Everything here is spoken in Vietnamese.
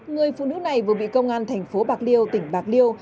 người phụ nữ này vừa bị công an thành phố bạc liêu tỉnh bạc liêu